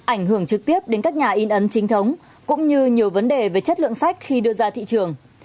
ảnh hưởng trực tiếp đến các nhà in ấn chính thống cũng như nhiều vấn đề về chất lượng sách khi đưa ra thị trường